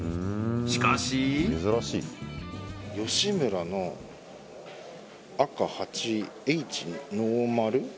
しかしヨシムラの赤８Ｈノーマル？